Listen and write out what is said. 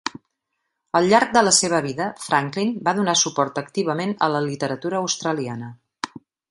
Al llarg de la seva vida, Franklin va donar suport activament a la literatura australiana.